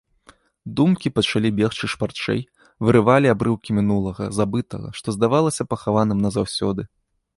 Думкі пачалі бегчы шпарчэй, вырывалі абрыўкі мінулага, забытага, што здавалася пахаваным назаўсёды.